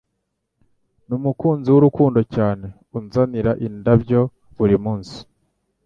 Numukunzi wurukundo cyane unzanira indabyo buri joro.